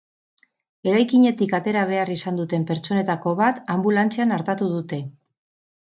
Eraikinetik atera behar izan duten pertsonetako bat anbulantzian artatu dute.